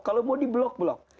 kalau mau di blok blok